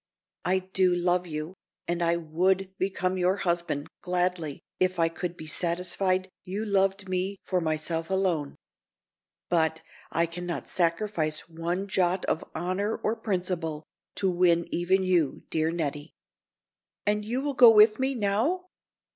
I do love you, and I would become your husband, gladly, if I could be satisfied you loved me for myself alone. But, I can not sacrifice one jot of honor or principle to win even you, dear Nettie." "And you will go with me, now?"